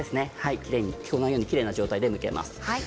このようにきれいな状態でむけます。